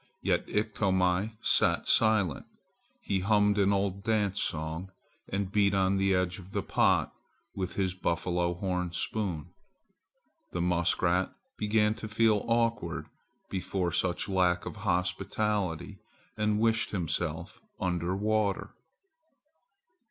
Yet Iktomi sat silent. He hummed an old dance song and beat gently on the edge of the pot with his buffalo horn spoon. The muskrat began to feel awkward before such lack of hospitality and wished himself under water.